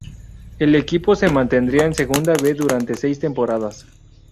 El equipo se mantendría en Segunda B durante seis temporadas.